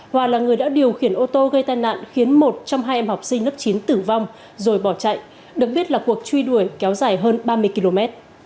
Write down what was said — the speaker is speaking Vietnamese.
hòa là người đã điều khiển ô tô gây tai nạn khiến một trong hai em học sinh lớp chín tử vong rồi bỏ chạy được biết là cuộc truy đuổi kéo dài hơn ba mươi km